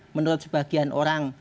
menurut sebagian orang